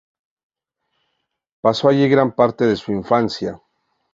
Pasó allí gran parte de su infancia.